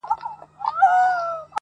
زه چـي په باندي دعوه وكړم